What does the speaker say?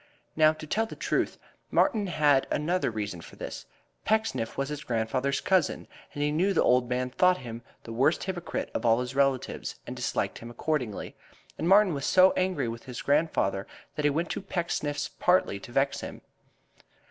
Now, to tell the truth, Martin had another reason for this. Pecksniff was his grandfather's cousin, and he knew the old man thought him the worst hypocrite of all his relatives, and disliked him accordingly. And Martin was so angry with his grandfather that he went to Pecksniff's partly to vex him.